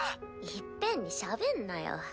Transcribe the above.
いっぺんにしゃべんなよ。